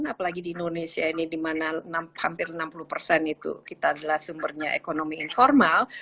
apalagi di indonesia ini dimana hampir enam puluh persen itu kita adalah sumbernya ekonomi informal